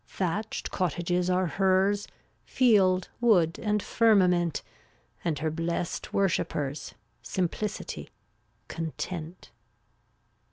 Thatched cottages are hers, Field, wood and firmament, And her blest worshipers, Simplicity, Content.